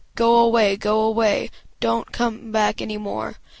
Go away, go away, donât you come back any more!